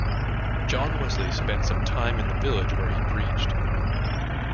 John Wesley spent some time in the village where he preached.